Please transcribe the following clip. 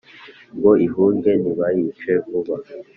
ngo ihunge ntibayice vuba